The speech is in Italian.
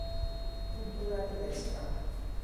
Cultura tedesca